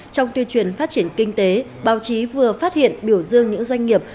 trong tuyên truyền phát triển kinh tế báo chí vừa phát hiện biểu dương những doanh nghiệp